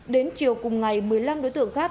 đến chiều cùng ngày một mươi năm đối tượng khác